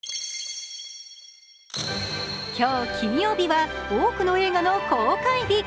今日、金曜日は多くの映画の公開日。